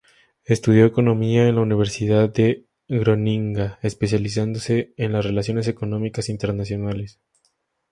Estudió Economía en la Universidad de Groninga, especializándose en relaciones económicas internacionales.